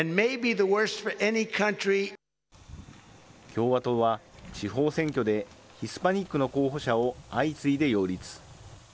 共和党は地方選挙でヒスパニックの候補者を相次いで擁立。